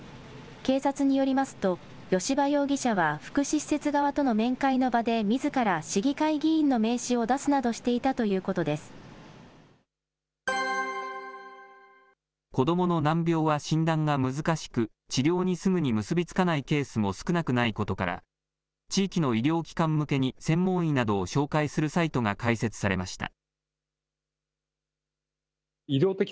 警察によりますと、吉羽容疑者は福祉施設側との面会の場で、みずから市議会議員の名刺を出すなど子どもの難病は診断が難しく、治療にすぐに結び付かないケースも少なくないことから、地域の医療機関向けに専門医などを紹介するサイトが開設されました。